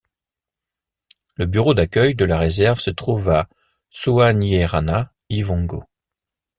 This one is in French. Le bureau d'accueil de la réserve se trouve à Soanierana Ivongo.